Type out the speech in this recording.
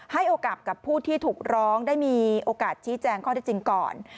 โอกาสกับผู้ที่ถูกร้องได้มีโอกาสชี้แจงข้อได้จริงก่อน